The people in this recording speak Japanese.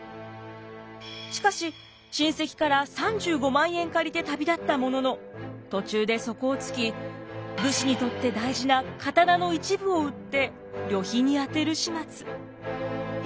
しかし親戚から３５万円借りて旅立ったものの途中で底をつき武士にとって大事な刀の一部を売って旅費に充てる始末。